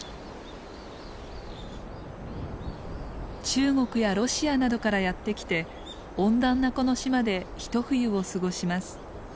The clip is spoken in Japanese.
中国やロシアなどからやって来て温暖なこの島で一冬を過ごします。